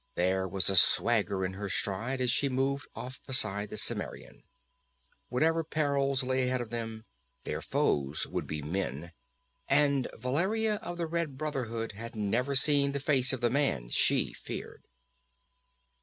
There was a swagger in her stride as she moved off beside the Cimmerian. Whatever perils lay ahead of them, their foes would be men. And Valeria of the Red Brotherhood had never seen the face of the man she feared.